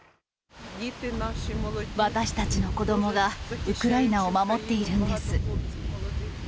私たちの子どもが、ウクライナを守っているんです。